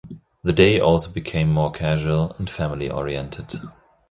The day also became more casual and family oriented.